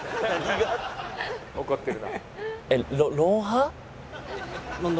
えっ！